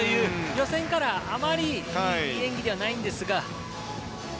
予選からあまりいい演技ではないんですが。